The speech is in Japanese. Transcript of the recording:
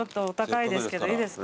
いいですか？